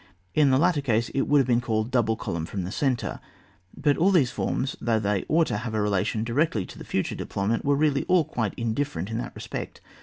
In the latter case it would have been called double column from the centre." But all these forms, although they ought to have had a relation directly to the future deployment, were really all quite indifferent in that respect.